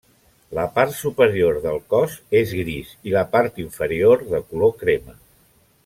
La part superior del cos és gris i la part inferior de color crema.